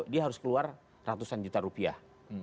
dia harus keluar ratusan juta rupiah